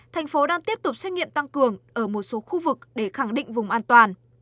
thành phố đang tiếp tục xét nghiệm tăng cường ở một số khu vực để khẳng định vùng an toàn